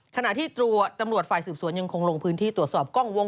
ขณะที่ตัวตำรวจฝ่ายสืบสวนยังคงลงพื้นที่ตรวจสอบกล้องวง